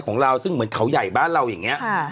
ของเราซึ่งเหมือนเขาใหญ่บ้านเราอย่างนี้